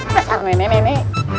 besar meme meme